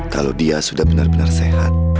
kalau dia sudah benar benar sehat